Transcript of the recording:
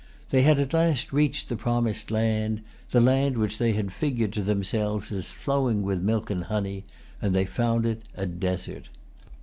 They had at last reached the promised land,—the land which they had figured to themselves as flowing with milk and honey; and they found it a desert.